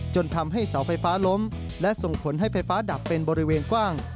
จนทำให้เสาไฟฟ้าล้มและส่งผลให้ไฟฟ้าดับเป็นบริเวณกว้าง